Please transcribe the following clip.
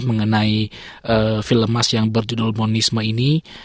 mengenai film mas yang berjudul monisme ini